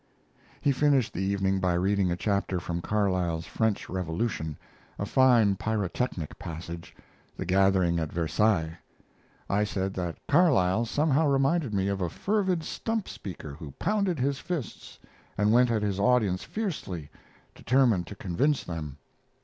He finished the evening by reading a chapter from Carlyle's French Revolution a fine pyrotechnic passage the gathering at Versailles. I said that Carlyle somehow reminded me of a fervid stump speaker who pounded his fists and went at his audience fiercely, determined to convince them.